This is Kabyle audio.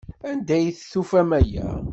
Anda ay d-tufamt aya?